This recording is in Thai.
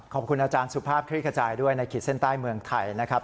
ขอบคุณอาจารย์สุภาพคลี่ขจายด้วยในขีดเส้นใต้เมืองไทยนะครับ